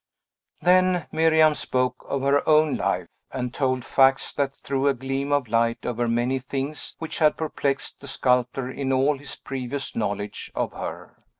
Then Miriam spoke of her own life, and told facts that threw a gleam of light over many things which had perplexed the sculptor in all his previous knowledge of her.